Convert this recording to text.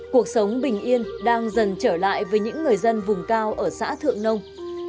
cuộc sống bình yên đang dần trở lại với những người dân vùng cao ở xã thượng nông